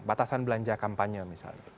batasan belanja kampanye misalnya